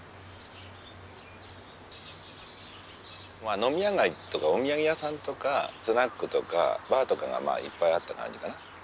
飲み屋街とかお土産屋さんとかスナックとかバーとかがまあいっぱいあった感じかな。